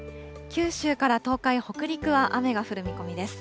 九州から東海、北陸は雨が降る見込みです。